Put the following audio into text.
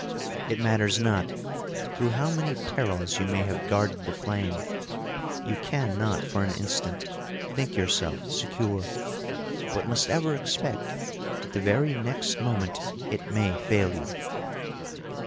It matters not through how many perils you may have guarded the flame, you can not for an instant think yourself secure, but must ever expect that the very next moment it may fail you."